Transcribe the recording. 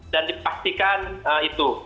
dan dipastikan itu